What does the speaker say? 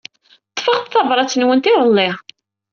Ḍḍfeɣ-d tabṛat-nwent iḍelli.